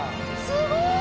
すごい！